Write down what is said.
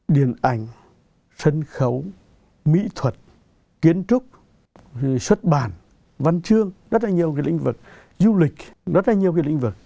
điện ảnh sân khấu mỹ thuật kiến trúc xuất bản văn chương rất là nhiều lĩnh vực du lịch rất là nhiều lĩnh vực